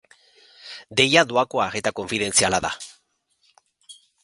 Deia doakoa eta konfidentziala da.